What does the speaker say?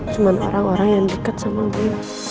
cuman orang orang yang deket sama gue